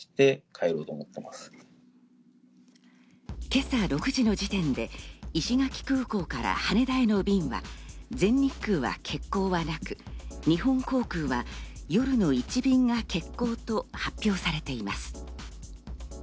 今朝６時の時点で石垣空港から羽田への便は全日空は欠航はなく、日本航空は夜の１便が欠航と発表されています。